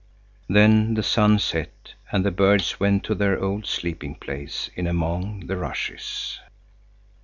Then the sun set, and the birds went to their old sleeping place in among the rushes.